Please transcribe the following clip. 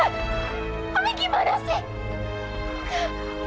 ada tugas baru buat kamu